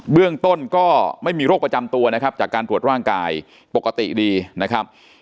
เรื่องต้นก็ไม่มีโรคประจำตัวนะครับจากการตรวจร่างกายปกติดีนะครับ